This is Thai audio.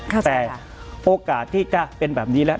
แต่โอกาสที่จะเป็นแบบนี้แล้ว